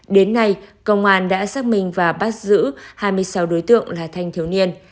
đến nay công an đã xác minh và bắt giữ hai mươi sáu đối tượng là thanh thiếu niên